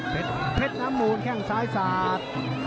เพชรน้ำมูลแข้งซ้ายสาด